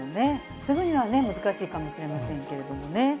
すぐにはね、難しいかもしれませんけれどもね。